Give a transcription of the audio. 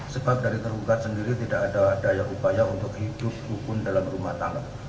sebab dari tergugat sendiri tidak ada daya upaya untuk hidup hukum dalam rumah tangga